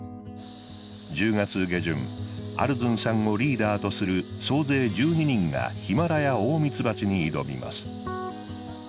１０月下旬アルズンさんをリーダーとする総勢１２人がヒマラヤオオミツバチに挑みます。